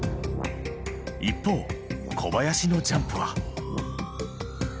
一方小林のジャンプは。